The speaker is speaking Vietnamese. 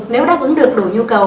nếu nó vẫn được đủ nhu cầu